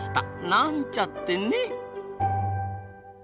なんちゃってね。